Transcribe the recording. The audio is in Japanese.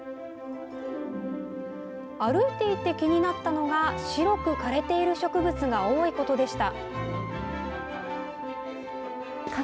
歩いていて気になったのが白く枯れている植物が多いことでした。